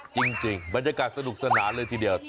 จริงบรรยากาศสนุกสนานเลยทีเดียว